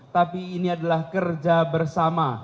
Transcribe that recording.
tapi ini adalah kerja bersama